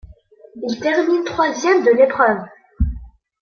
Il termine troisième de l'épreuve.